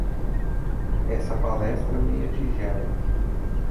Essa palestra meia-tigela